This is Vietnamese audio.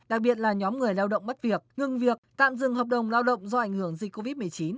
đặc biệt là nhóm người lao động mất việc ngừng việc tạm dừng hợp đồng lao động do ảnh hưởng dịch covid một mươi chín